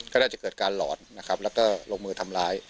ก็น่าจะเกิดการหลอนนะครับแล้วก็ลงมือทำร้าย